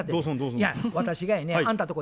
いや私がやねあんたんとこ